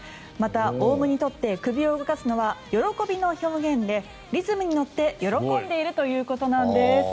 またオウムにとって首を動かすのは喜びの表現でリズムに乗って喜んでいるということなんです。